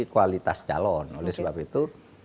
kualitas calon oleh sebab itu